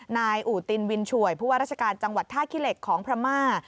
นายอูตินวินช่วยผู้ว่าราชการจังหวัดท่าขี้เหล็กของพม่า